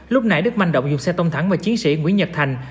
lúc nãy đức manh động dùng xe tông thẳng và chiến sĩ nguyễn nhật thành